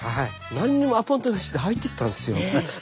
何にもアポイントなしで入っていったんですよ。